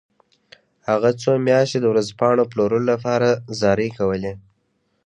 هغه څو میاشتې د ورځپاڼو پلورلو لپاره زارۍ کولې